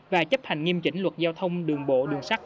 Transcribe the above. và chấp hành nghiêm chỉnh luật giao thông đường bộ đường sắt